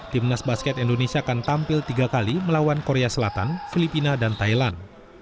timnas basket indonesia akan tampil tiga kali melawan korea selatan filipina dan thailand